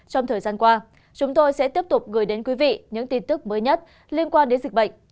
trong thời gian qua chúng tôi sẽ tiếp tục gửi đến quý vị những tin tức mới nhất liên quan đến dịch bệnh